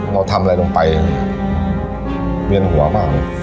เราทำอะไรตรงไปเนี่ยเหมือนเวียนหัวบ้าง